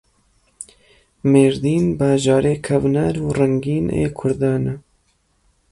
Mêrdîn bajarê kevnar û rengîn ê Kurdan e.